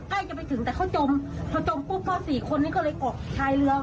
ใกล้จะไปถึงแต่เขาจมเขาจมปุ๊บพอสี่คนนี้ก็เลยเกาะชายเรือ